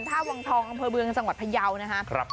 ท่าวังทองอำเภอเมืองจังหวัดพยาวนะคะ